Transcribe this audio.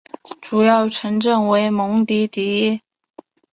主要城镇为蒙迪迪耶。